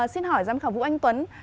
xin hỏi giám khảo vũ anh tuấn